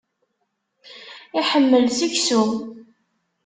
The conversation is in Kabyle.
Iḥemmel seksu.